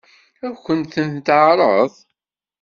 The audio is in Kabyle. Ad kent-ten-teɛṛeḍ?